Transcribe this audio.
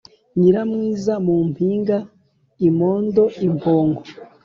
Nyiramwiza mu mpinga.-Imondo - Impongo.